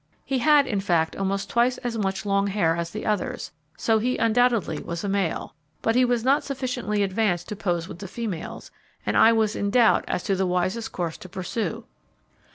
He had, in fact, almost twice as much long hair as the others, so he undoubtedly was a male, but he was not sufficiently advanced to pose with the females, and I was in doubt as to the wisest course to pursue.